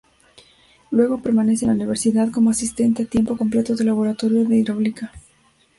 Luego permanece en la universidad como asistente a tiempo completo del laboratorio de hidráulica.